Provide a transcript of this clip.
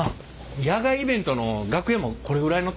野外イベントの楽屋もこれぐらいのテント欲しい。